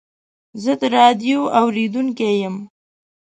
زه د راډیو اورېدونکی یم.